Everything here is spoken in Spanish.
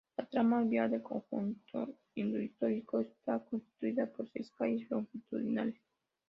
La trama vial del Conjunto Histórico está constituida por seis calles longitudinales.